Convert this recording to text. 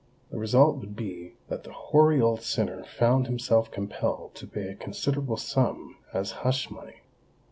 The result would be that the hoary old sinner found himself compelled to pay a considerable sum as hush money.